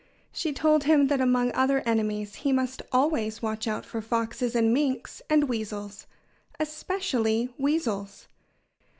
She told him that among other enemies he must always watch out for foxes and minks and weasels especially weasels.